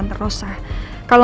nggak ada di jakarta